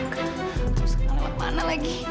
gak usah lewat mana lagi